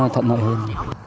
thuận nợ hơn